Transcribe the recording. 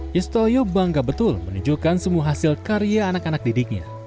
yustoyo bangga betul menunjukkan semua hasil karya anak anak didiknya